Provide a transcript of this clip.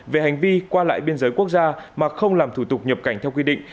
về hành vi qua lại biên giới quốc gia mà không làm thủ tục nhập cảnh theo quy định